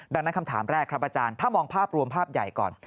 ดังนั้นคำถามแรกครับอาจารย์ถ้ามองภาพรวมภาพใหญ่ก่อน